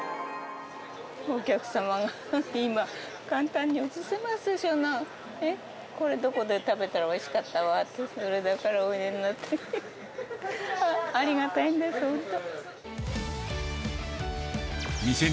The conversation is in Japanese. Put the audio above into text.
お客様が、今、簡単に写せますでしょ、これはどこで食べたらおいしかったわって、それだからお見えになって、ありがたいんです、本当に。